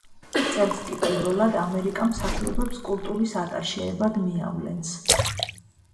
წელს კი პირველად, ამერიკა მსახიობებს კულტურის ატაშეებად მიავლენს.